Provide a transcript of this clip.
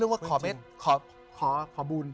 เวลาว่าขอเม็ด